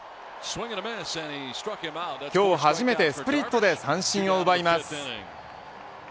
今日初めて、スプリットで三振を奪います。